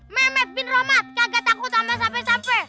mehmet bin rahmat kagak takut sama sampe sampe